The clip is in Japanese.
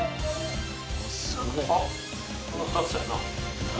あっこのふたつやな。